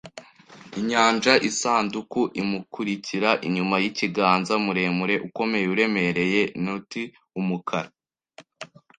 inyanja- isanduku imukurikira inyuma yikiganza - muremure, ukomeye, uremereye, nut-umukara